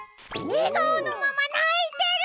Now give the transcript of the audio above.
えがおのままないてる！